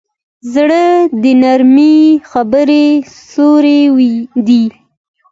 زړه د نرمې خبرې سیوری دی.